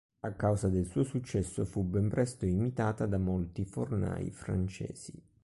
A causa del suo successo fu ben presto imitata da molti fornai francesi.